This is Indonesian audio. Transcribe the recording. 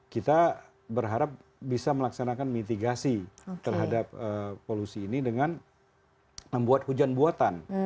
kita berharap bisa melaksanakan mitigasi terhadap polusi ini dengan membuat hujan buatan